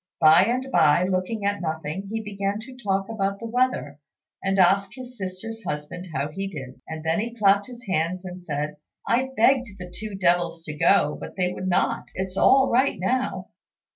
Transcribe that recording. By and by, looking at nothing, he began to talk about the weather, and ask his sister's husband how he did, and then he clapped his hands, and said, "I begged the two devils to go, but they would not; it's all right now."